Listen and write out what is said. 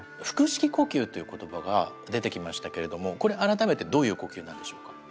「腹式呼吸」という言葉が出てきましたけれどもこれ改めてどういう呼吸なんでしょうか？